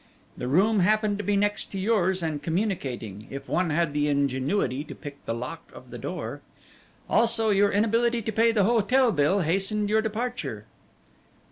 The room happened to be next to yours and communicating, if one had the ingenuity to pick the lock of the door. Also your inability to pay the hotel bill hastened your departure."